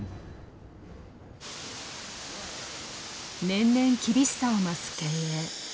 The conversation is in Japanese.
年々厳しさを増す経営。